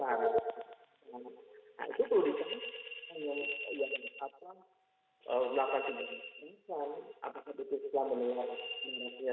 hanya melakukan tindakan bergerak apakah itu sudah menilai generasinya sdn nenggolan